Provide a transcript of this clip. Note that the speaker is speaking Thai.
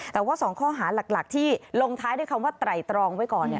แต่ว่า๒ข้อหาหลักที่ลงท้ายด้วยคำว่าไตรตรองไว้ก่อน